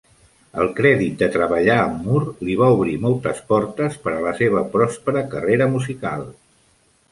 El crèdit de treballar amb Moore li va obrir moltes portes per a la seva pròspera carrera musical.